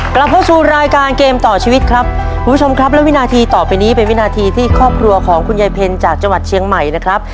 กลับเข้าสู่รายการเกมต่อชีวิตครับคุณผู้ชมครับและวินาทีต่อไปนี้เป็นวินาทีที่ครอบครัวของคุณยายเพ็ญจากจังหวัดเชียงใหม่นะครับ